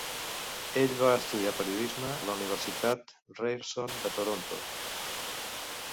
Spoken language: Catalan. Ell va estudiar periodisme a la Universitat Ryerson de Toronto.